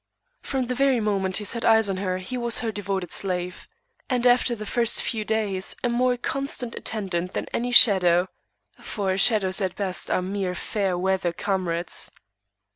From the very moment he set eyes on her he was her devoted slave, and after the first few days a more constant attendant than any shadow for shadows at best are mere fair weather comrades.